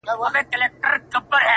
له خوب چي پاڅي توره تياره وي